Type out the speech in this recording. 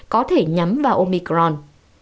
có thể nhắm vào omicron